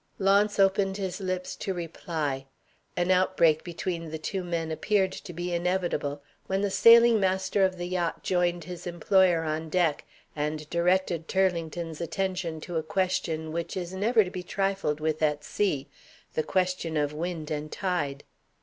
Launce opened his lips to reply. An outbreak between the two men appeared to be inevitable, when the sailing master of the yacht joined his employer on deck, and directed Turlington's attention to a question which is never to be trifled with at sea, the question of wind and tide.